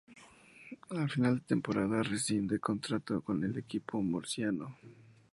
A final de temporada rescinde contrato con el equipo murciano.